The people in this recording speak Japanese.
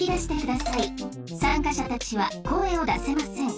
参加者たちは声を出せません。